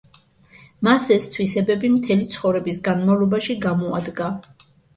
მას ეს თვისებები მთელი ცხოვრების განმავლობაში გამოადგა.